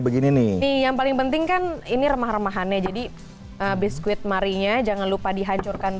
begini nih yang paling penting kan ini remah remahannya jadi biskuit marinya jangan lupa dihancurkan